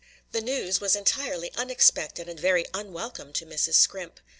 The news was entirely unexpected and very unwelcome to Mrs. Scrimp.